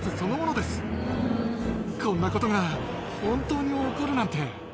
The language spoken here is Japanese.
こんなことが本当に起こるなんて。